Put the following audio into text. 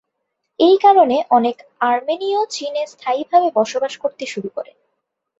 এ কারণে অনেক আর্মেনিয় চীনে স্থায়ীভাবে বসবাস করতে শুরু করে।